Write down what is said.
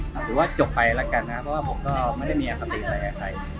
ถือว่าจบไปแล้วกันนะครับเพราะว่าผมก็ไม่ได้มีอคติไปกับใคร